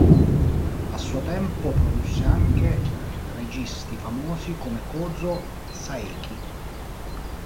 A suo tempo produsse anche registi famosi come Kōzō Saeki.